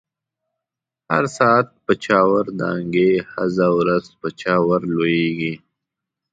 هر ساعت په چاور دانګی، هزه ورځ په چا ور لويږی